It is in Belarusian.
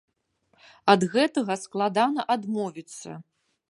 Ад гэтага складана адмовіцца.